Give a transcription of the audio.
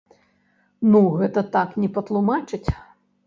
Ну, гэта так не патлумачыць.